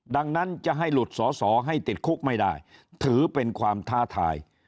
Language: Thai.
ดังนั้นจะให้หลุดสอสอให้ติดคุกไม่ได้ถือเป็นความท้าทาย